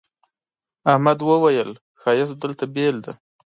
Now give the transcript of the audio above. احمد وويل: ښایست دلته بېل دی.